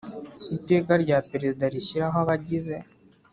Iteka rya Perezida rishyiraho abagize